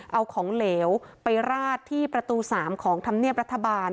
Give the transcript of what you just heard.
เอาของเหลวไปราดที่ประตู๓ของธรรมเนียบรัฐบาล